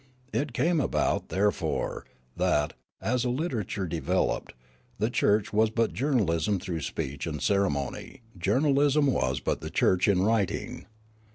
It came about, therefore, that, as a literature developed, the church was but journalism through speech and ceremony, journalism was but the church in writing.